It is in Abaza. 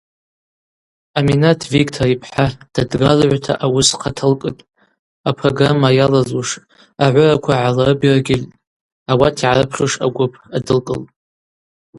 Аминат Виктор йпхӏа дадгалагӏвта ауыс хъаталкӏытӏ, апрограмма йалазлуш агӏвыраква гӏалрыбергьыльтӏ, ауат йгӏарыпхьуш агвып адылкӏылтӏ.